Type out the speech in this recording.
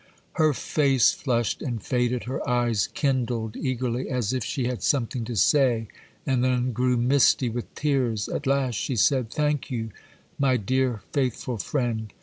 Her face flushed and faded; her eyes kindled eagerly, as if she had something to say, and then grew misty with tears. At last she said,— 'Thank you, my dear, faithful friend!